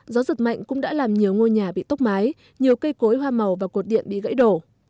gió giật mạnh cũng đã làm nhiều ngôi nhà bị tốc mái nhiều cây cối hoa màu và cột điện bị gãy đổ